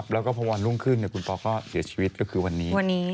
แล้วก็พอวันรุ่งขึ้นคุณปอก็เสียชีวิตก็คือวันนี้